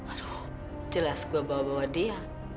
aduh jelas gue bawa bawa dia